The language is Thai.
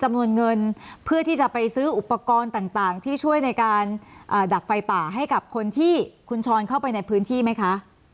มีการดับไฟป่าให้กับคนที่คุณชอนเข้าไปในพื้นที่ไหมคะ